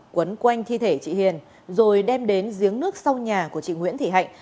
quấn quanh thi thể chị hiền rồi đem đến giếng nước sau nhà của chị nguyễn thị hạnh